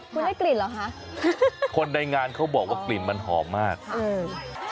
คุณได้กลิ่นเหรอคะคนในงานเขาบอกว่ากลิ่นมันหอมมากเออ